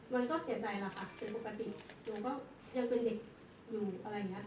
มันก็เสียใจแล้วค่ะคือปกติหนูก็ยังเป็นเด็กอยู่อะไรอย่างนี้